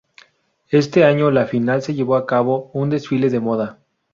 Este año la final se llevó a cabo un desfile de moda.